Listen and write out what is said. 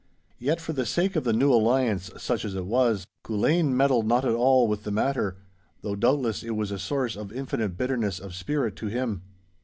Yet for the sake of the new alliance, such as it was, Culzean meddled not at all with the matter, though doubtless it was a source of infinite bitterness of spirit to him.